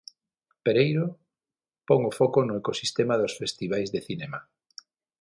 Pereiro pon o foco no ecosistema dos festivais de cinema.